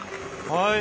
はい。